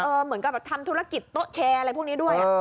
เหมือนกับทำธุรกิจโต๊ะแคร์อะไรพวกนี้ด้วย